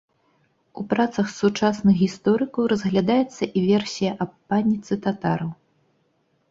У працах сучасных гісторыкаў разглядаецца і версія аб паніцы татараў.